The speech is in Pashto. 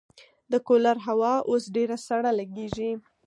د کولر هوا اوس ډېره سړه لګېږي.